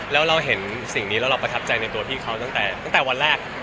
แล้วเราเห็นสิ่งนี้แล้วเราประทับใจในตัวพี่เขาตั้งแต่วันแรก